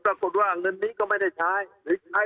ปรากฏว่าเงินนี้ก็ไม่ได้ใช้